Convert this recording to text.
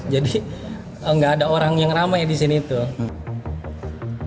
jadi nggak ada orang yang ramai di sini tuh